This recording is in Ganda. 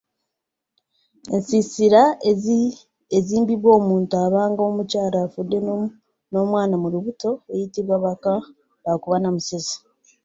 Ensiisira ezimbibwa omuntu abaaga omukyala afudde n’omwana mu lubuto eyitibwa Bakumbanamusezi.